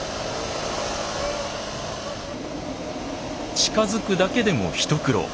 近づくだけでも一苦労。